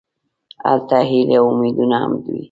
هلته هیلې او امیدونه هم وي.